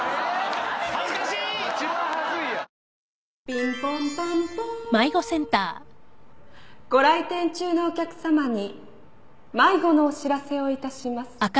「ピンポンパンポン」ご来店中のお客さまに迷子のお知らせをいたします。